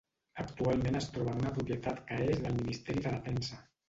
Actualment es troba en una propietat que és del Ministeri de Defensa.